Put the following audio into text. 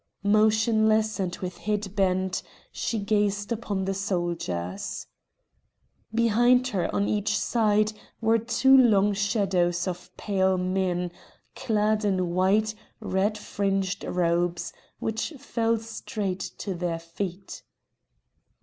Motionless and with head bent, she gazed upon the soldiers. Behind her, on each side, were two long shadows of pale men, clad in white, red fringed robes, which fell straight to their feet.